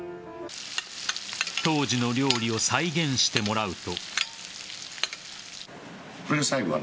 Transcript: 当時の料理を再現してもらうと。